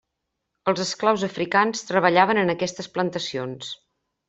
Els esclaus africans treballaven en aquestes plantacions.